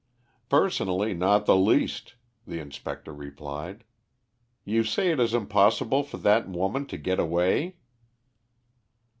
"Personally not the least," the inspector replied. "You say it is impossible for that woman to get away?"